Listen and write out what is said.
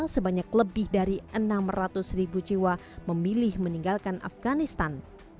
sebanyak lebih dari enam ratus ribu jiwa memilih meninggalkan afganistan